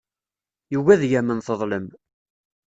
Yugi ad yamen teḍlem.